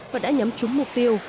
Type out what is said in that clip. và đã nhắm trúng mục tiêu